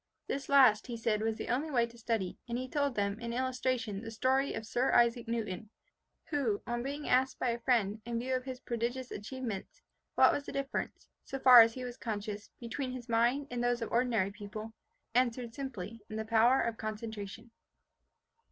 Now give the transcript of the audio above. This last, he said, was the only way to study; and he told them, in illustration, the story of Sir Isaac Newton, who, on being asked by a friend, in view of his prodigious achievements, what was the difference, so far as he was conscious, between his mind and those of ordinary people, answered simply in the power of concentration.